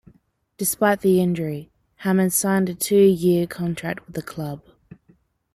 Despite the injury, Hammond signed a two-year contract with the club.